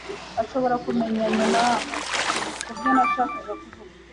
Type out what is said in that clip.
Ashobora kumenya nyuma kubyo nashakaga kuvuga.